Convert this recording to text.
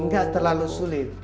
nggak terlalu sulit